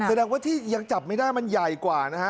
แสดงว่าที่ยังจับไม่ได้มันใหญ่กว่านะฮะ